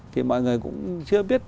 thì mọi người cũng chưa biết